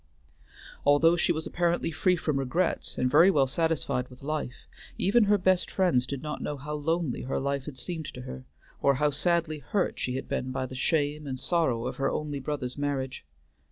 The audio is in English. Although she was apparently free from regrets, and very well satisfied with life, even her best friends did not know how lonely her life had seemed to her, or how sadly hurt she had been by the shame and sorrow of her only brother's marriage.